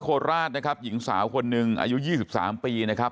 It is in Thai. โคราชนะครับหญิงสาวคนหนึ่งอายุ๒๓ปีนะครับ